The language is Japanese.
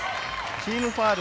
チームファウル